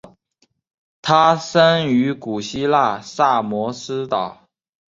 他生于古希腊萨摩斯岛。